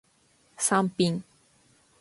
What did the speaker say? サンピン